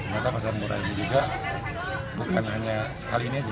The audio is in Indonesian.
maka pasar murah ini juga bukan hanya sekali ini aja